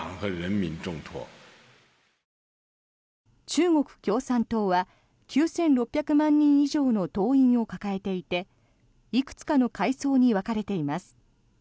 中国共産党は９６００万人以上の党員を抱えていていくつかの階層に分かれています。